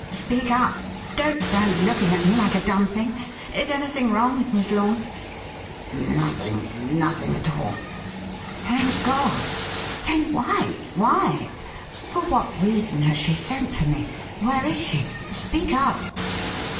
"Speak up! Don't stand looking at me like a dumb thing! Is anything wrong with Miss Lorne?" "Nothing nothing at all." "Thank God! Then why? Why? For what reason has she sent for me? Where is she? Speak up!"